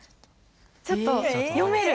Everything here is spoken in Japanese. ちょっと読める？